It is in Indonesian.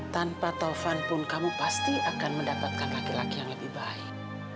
tanpa taufan pun kamu pasti akan mendapatkan laki laki yang lebih baik